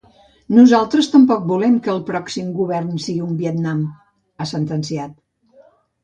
“Nosaltres tampoc volem que el pròxim govern sigui un Vietnam”, ha sentenciat.